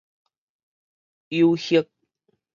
誘惑